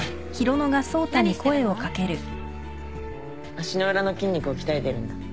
足の裏の筋肉を鍛えてるんだ